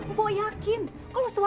mbah itu dengar sendiri mbah